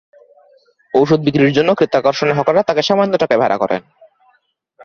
ওষুধ বিক্রির জন্য ক্রেতা আকর্ষণে হকাররা তাঁকে সামান্য টাকায় ভাড়া করেন।